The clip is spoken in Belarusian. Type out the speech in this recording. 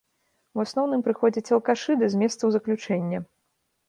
У асноўным прыходзяць алкашы ды з месцаў заключэння.